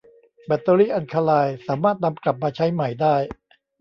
แบตเตอรี่อัลคาไลน์สามารถนำกลับมาใช้ใหม่ได้